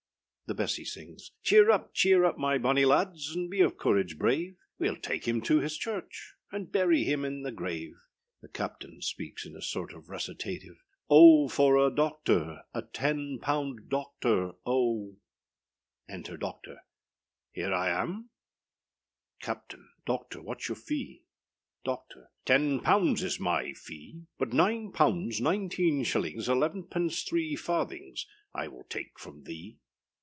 The BESSY _sings_â Cheer up, cheer up, my bonny lads, And be of courage brave, Weâll take him to his church, And bury him in the grave. The CAPTAIN _speaks in a sort of recitative_â Oh, for a doctor, A ten pound doctor, oh. Enter DOCTOR. Doctor. Here I am, I. Captain. Doctor, whatâs your fee? Doctor. Ten pounds is my fee! But nine pounds nineteen shillings eleven pence three farthings I will take from thee.